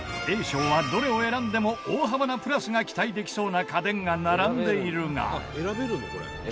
Ａ賞はどれを選んでも大幅なプラスが期待できそうな家電が並んでいるが。